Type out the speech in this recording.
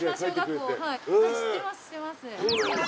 知ってます